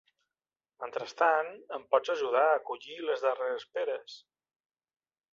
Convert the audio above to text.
Mentrestant em pots ajudar a collir les darreres peres.